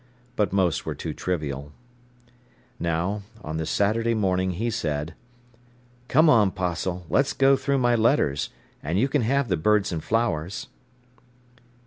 But most were too trivial. Now, on the Saturday morning he said: "Come on, 'Postle, let's go through my letters, and you can have the birds and flowers."